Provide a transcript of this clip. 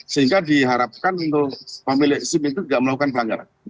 sehingga diharapkan untuk pemilik sim itu tidak melakukan pelanggaran